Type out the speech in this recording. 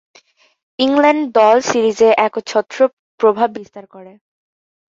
England দল সিরিজে একচ্ছত্র প্রভাব বিস্তার করে।